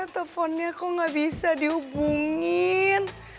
teleponnya kok gak bisa dihubungin